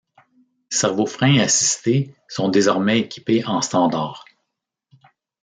Servo-freins assistés sont désormais équipés en standard.